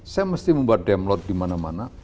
saya mesti membuat download di mana mana